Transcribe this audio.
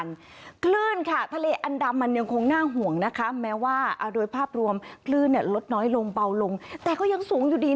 น้องไครวันนี้